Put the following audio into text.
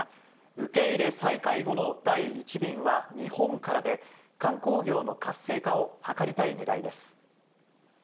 受け入れ再開後の第１便は日本からで、観光業の活性化を図りたいねらいです。